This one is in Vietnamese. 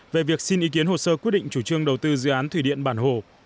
về việc xin ý kiến hồ sơ quyết định chủ trương đầu tư dự án thủy điện bản hồ